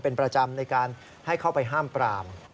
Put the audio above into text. เป็นประจำในการให้เข้าไปห้ามปราม